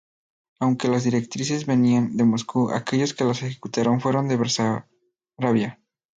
Aunque las directrices venían de Moscú, aquellos que las ejecutaron fueron de Besarabia.